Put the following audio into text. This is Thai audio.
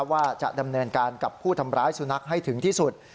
ว่าจะดำเนินการกับผู้ทำร้ายสุนัขให้ถึงที่สุด